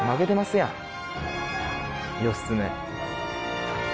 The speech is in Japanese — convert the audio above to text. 義経。